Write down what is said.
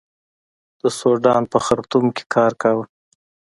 د سوډان په خرتوم کې کار کاوه.